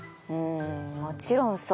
んもちろん